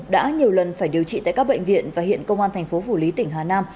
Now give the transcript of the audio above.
đã nhiều lần phải điều trị tại các bệnh viện và hiện công an thành phố phủ lý tỉnh hà nam